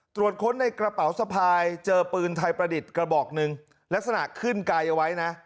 ตรวจค้นในกระเป๋าสะพายเจอปืนไทยประดิษฐ์กระบอกหนึ่งลักษณะขึ้นไกลเอาไว้นะ